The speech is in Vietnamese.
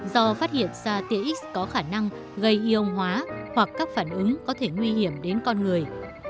do phát hiện ra tia x có khả năng gây ion hóa hoặc các phản ứng có thể nguy hiểm đến con người